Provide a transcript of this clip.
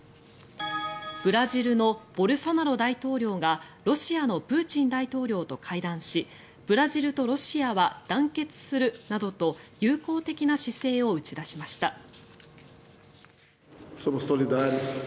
ブラジルのボルソナロ大統領がロシアのプーチン大統領と会談しブラジルとロシアは団結するなどと友好的な姿勢を打ち出しました。